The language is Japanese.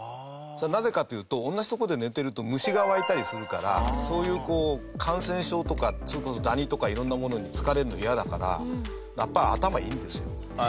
それは、なぜかというと同じ所で寝てると虫が湧いたりするからそういう、こう感染症とか、それこそダニとかいろんなものにつかれるのイヤだからやっぱり、頭いいんですよ。